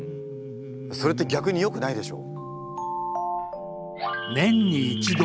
それって逆によくないでしょ。